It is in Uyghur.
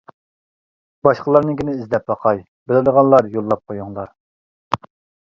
باشقىلارنىڭكىنى ئىزدەپ باقاي، بىلىدىغانلار يوللاپ قويۇڭلار.